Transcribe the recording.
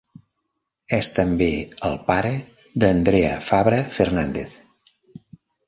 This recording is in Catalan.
És també el pare d'Andrea Fabra Fernández.